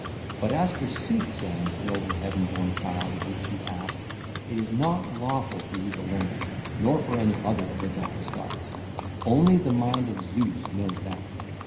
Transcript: But as for sooth saying, noble, heaven born child, of which you ask, it is not lawful for you to learn it, nor for any other of the deathless gods: only the mind of Zeus knows that.